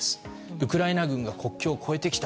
ウクライナ軍が国境を越えてきた。